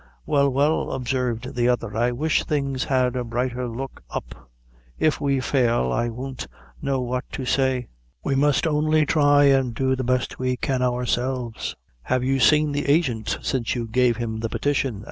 "Well, well," observed the other, "I wish things had a brighter look up. If we fail, I won't know what to say. We must only thry an' do the best we can, ourselves." "Have you seen the agint since you gave him the petition?"